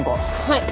はい。